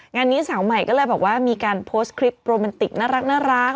งานนี้สาวใหม่ก็เลยบอกว่ามีการโพสต์คลิปโรแมนติกน่ารัก